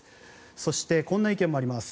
そして、こんな意見もあります。